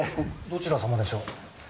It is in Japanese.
どちら様でしょう？